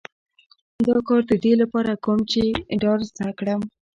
دا کار د دې لپاره کوم چې ډار زده کړم